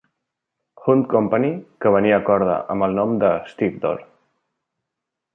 Hunt Company, que venia corda amb el nom de "Stevedore".